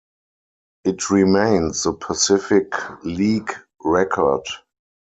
It remains the Pacific League record.